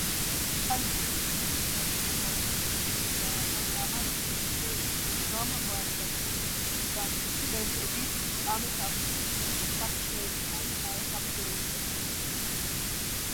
ფრანკლინის კიბერუსაფრთხოების პროგრამა შექმნილია იმისთვის, რომ მოამზადოს სტუდენტები ამ საფრთხეებთან საბრძოლველად